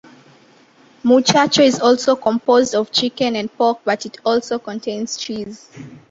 Muchacho is also composed of chicken and pork but it also contains cheese.